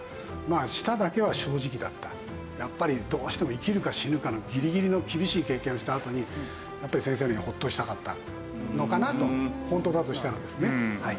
やっぱりどうしても生きるか死ぬかのギリギリの厳しい経験をしたあとにやっぱり先生の言うようにホッとしたかったのかなと。本当だとしたらですねはい。